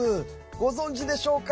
ご存じでしょうか？